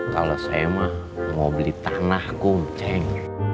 kalo saya mah mau beli tanah kum ceng